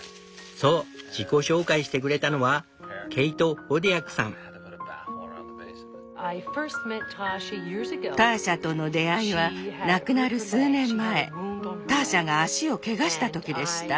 そう自己紹介してくれたのはターシャとの出会いは亡くなる数年前ターシャが足をけがしたときでした。